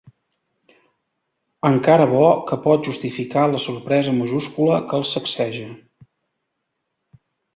Encara bo que pot justificar la sorpresa majúscula que el sacseja.